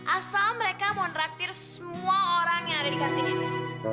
asal mereka monraktir semua orang yang ada di kantin ini